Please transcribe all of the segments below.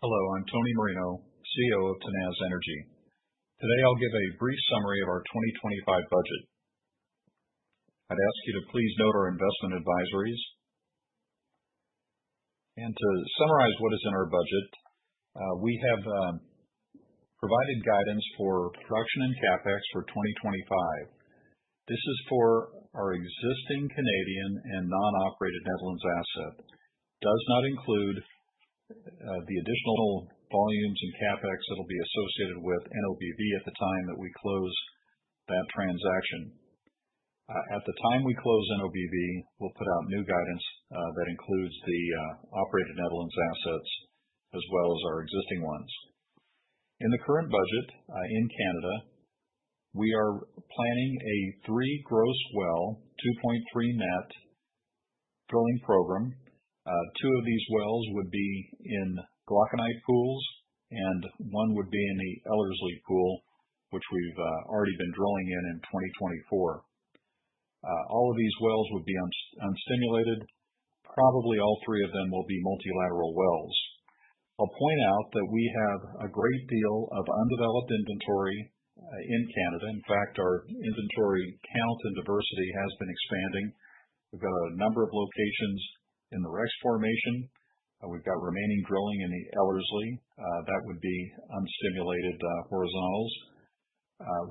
Hello, I'm Tony Marino, CEO of Tenaz Energy. Today I'll give a brief summary of our 2025 budget. I'd ask you to please note our investment advisories, and to summarize what is in our budget. We have provided guidance for production and CapEx for 2025. This is for our existing Canadian and non-operated Netherlands asset. It does not include the additional volumes and CapEx that will be associated with NOBV at the time that we close that transaction. At the time we close NOBV, we'll put out new guidance that includes the operated Netherlands assets as well as our existing ones. In the current budget in Canada, we are planning a three gross well, 2.3 net drilling program. Two of these wells would be in Glauconite pools, and one would be in the Ellerslie pool, which we've already been drilling in in 2024. All of these wells would be unstimulated. Probably all three of them will be multilateral wells. I'll point out that we have a great deal of undeveloped inventory in Canada. In fact, our inventory count and diversity has been expanding. We've got a number of locations in the Rex formation. We've got remaining drilling in the Ellerslie. That would be unstimulated horizontals.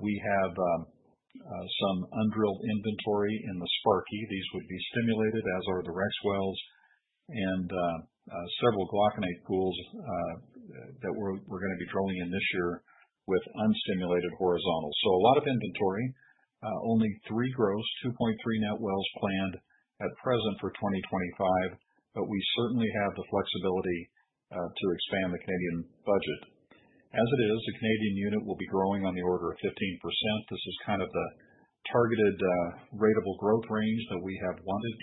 We have some undrilled inventory in the Sparky. These would be stimulated, as are the Rex wells, and several Glauconite pools that we're going to be drilling in this year with unstimulated horizontals. So a lot of inventory. Only three gross, 2.3 net wells planned at present for 2025, but we certainly have the flexibility to expand the Canadian budget. As it is, the Canadian unit will be growing on the order of 15%. This is kind of the targeted ratable growth range that we have wanted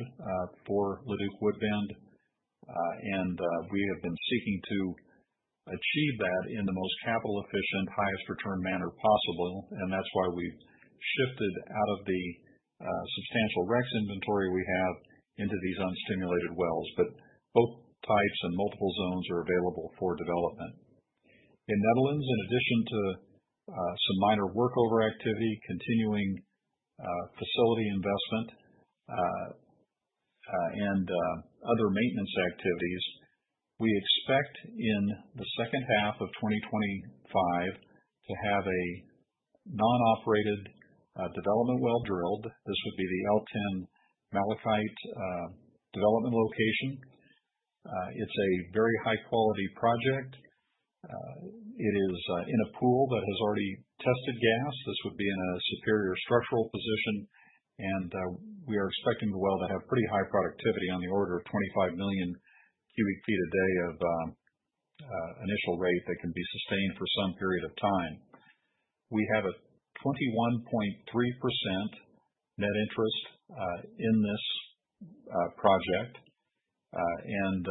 for Leduc-Woodbend, and we have been seeking to achieve that in the most capital-efficient, highest return manner possible, and that's why we've shifted out of the substantial Rex inventory we have into these unstimulated wells, but both types and multiple zones are available for development. In Netherlands, in addition to some minor workover activity, continuing facility investment, and other maintenance activities, we expect in the second half of 2025 to have a non-operated development well drilled. This would be the L10 Malachite development location. It's a very high-quality project. It is in a pool that has already tested gas. This would be in a superior structural position, and we are expecting the well to have pretty high productivity on the order of 25 million cubic feet a day of initial rate that can be sustained for some period of time. We have a 21.3% net interest in this project, and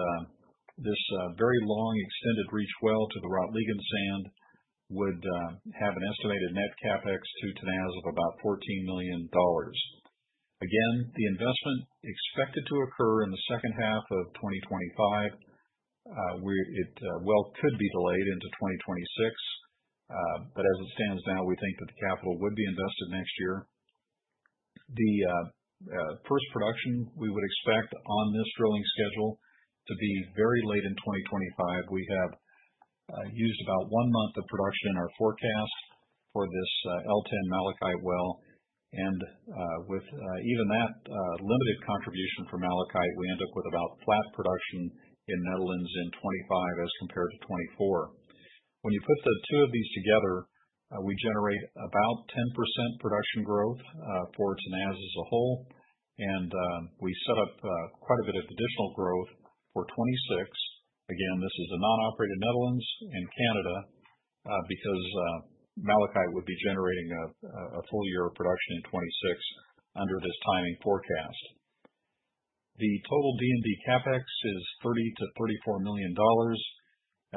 this very long extended reach well to the Rotliegend Sand would have an estimated net CapEx to Tenaz of about 14 million dollars. Again, the investment expected to occur in the second half of 2025. It well could be delayed into 2026, but as it stands now, we think that the capital would be invested next year. The first production we would expect on this drilling schedule to be very late in 2025. We have used about one month of production in our forecast for this L10 Malachite well, and with even that limited contribution for Malachite, we end up with about flat production in Netherlands in 2025 as compared to 2024. When you put the two of these together, we generate about 10% production growth for Tenaz as a whole, and we set up quite a bit of additional growth for 2026. Again, this is a non-operated Netherlands and Canada because Malachite would be generating a full-year of production in 2026 under this timing forecast. The total D&D CapEx is 30 million to 34 million dollars.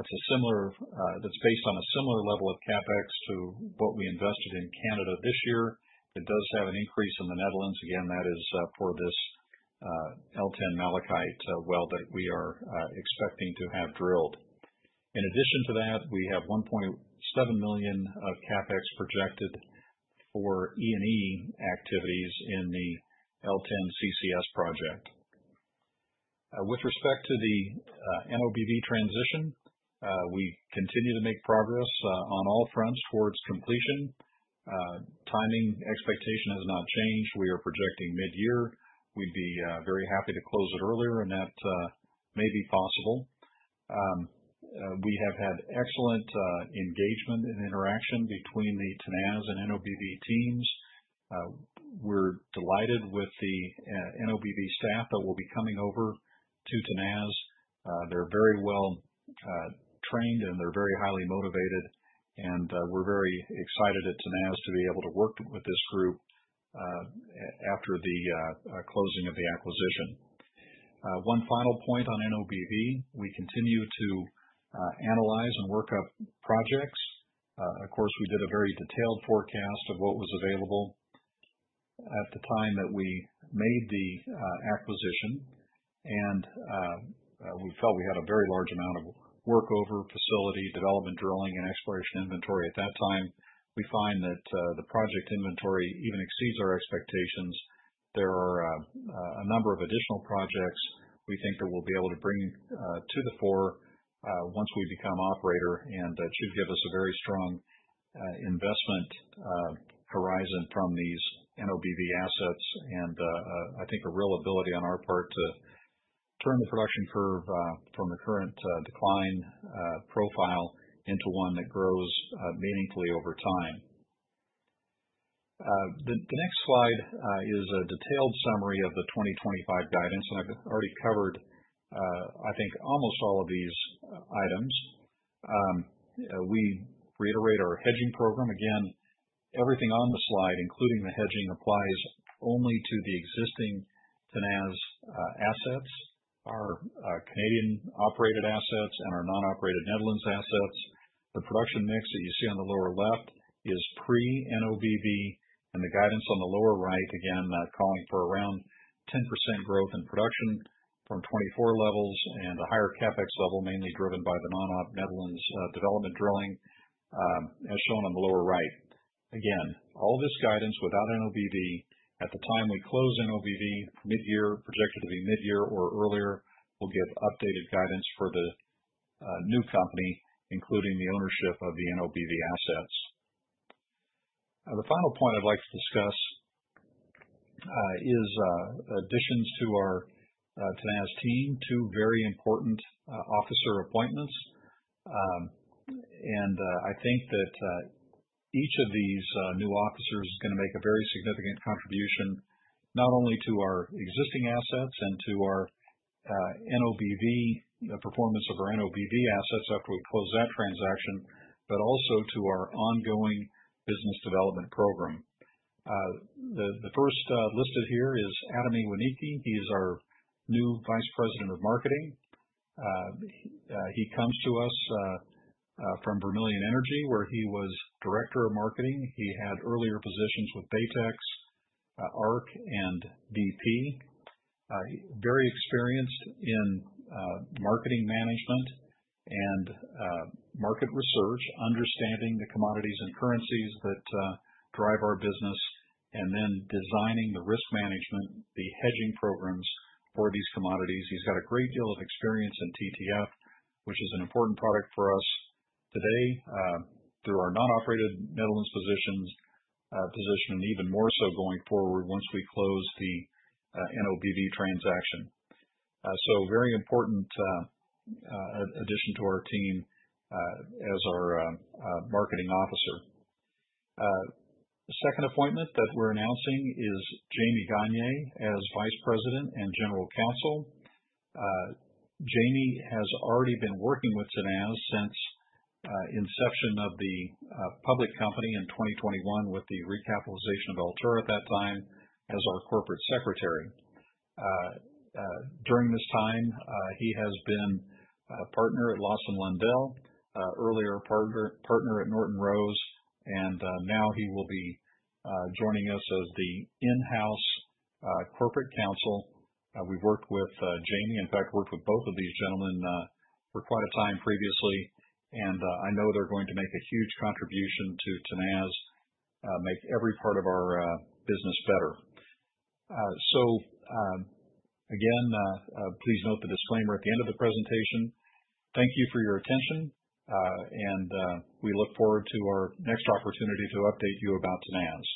That's based on a similar level of CapEx to what we invested in Canada this year. It does have an increase in the Netherlands. Again, that is for this L10 Malachite well that we are expecting to have drilled. In addition to that, we have 1.7 million of CapEx projected for E&E activities in the L10 CCS project. With respect to the NOBV transition, we continue to make progress on all fronts towards completion. Timing expectation has not changed. We are projecting mid-year. We'd be very happy to close it earlier, and that may be possible. We have had excellent engagement and interaction between the Tenaz and NOBV teams. We're delighted with the NOBV staff that will be coming over to Tenaz. They're very well trained, and they're very highly motivated, and we're very excited at Tenaz to be able to work with this group after the closing of the acquisition. One final point on NOBV, we continue to analyze and work up projects. Of course, we did a very detailed forecast of what was available at the time that we made the acquisition, and we felt we had a very large amount of workover facility, development, drilling, and exploration inventory at that time. We find that the project inventory even exceeds our expectations. There are a number of additional projects we think that we'll be able to bring to the fore once we become operator, and it should give us a very strong investment horizon from these NOBV assets, and I think a real ability on our part to turn the production curve from the current decline profile into one that grows meaningfully over time. The next slide is a detailed summary of the 2025 guidance, and I've already covered, I think, almost all of these items. We reiterate our hedging program. Again, everything on the slide, including the hedging, applies only to the existing Tenaz assets, our Canadian operated assets, and our non-operated Netherlands assets. The production mix that you see on the lower left is pre-NOBV, and the guidance on the lower right, again, calling for around 10% growth in production from 2024 levels and a higher CapEx level, mainly driven by the non-Netherlands development drilling, as shown on the lower right. Again, all this guidance without NOBV at the time we close NOBV, mid-year, projected to be mid-year or earlier, will give updated guidance for the new company, including the ownership of the NOBV assets. The final point I'd like to discuss is additions to our Tenaz team, two very important officer appointments. I think that each of these new officers is going to make a very significant contribution not only to our existing assets and to our NOBV performance of our NOBV assets after we close that transaction, but also to our ongoing business development program. The first listed here is Antoni Wiernicki. He is our new Vice President of Marketing. He comes to us from Vermilion Energy, where he was Director of Marketing. He had earlier positions with Baytex, ARC, and BP. Very experienced in marketing management and market research, understanding the commodities and currencies that drive our business, and then designing the risk management, the hedging programs for these commodities. He's got a great deal of experience in TTF, which is an important product for us today through our non-operated Netherlands positions, and even more so going forward once we close the NOBV transaction. So very important addition to our team as our marketing officer. The second appointment that we're announcing is Jamie Gagne as Vice President and General Counsel. Jamie has already been working with Tenaz since inception of the public company in 2021 with the recapitalization of Altura at that time as our Corporate Secretary. During this time, he has been a partner at Lawson Lundell, earlier a partner at Norton Rose, and now he will be joining us as the in-house Corporate Counsel. We've worked with Jamie, in fact, worked with both of these gentlemen for quite a time previously, and I know they're going to make a huge contribution to Tenaz, make every part of our business better. So again, please note the disclaimer at the end of the presentation. Thank you for your attention and we look forward to our next opportunity to update you about Tenaz.